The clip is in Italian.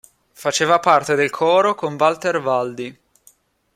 Faceva parte del coro con Walter Valdi.